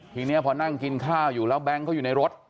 ทีนี้เวลานั่งอยู่กินข้าวแล้วแบงค์ก็อยู่ในรถ